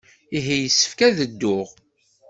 Ihi yessefk ad dduɣ.